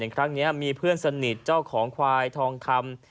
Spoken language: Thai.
ครั้งนี้มีเพื่อนสนิทเจ้าของควายทองคำ